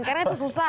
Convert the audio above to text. karena itu susah